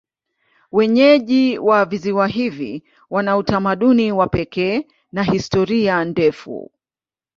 Wenyeji wa visiwa hivi wana utamaduni wa pekee na historia ndefu.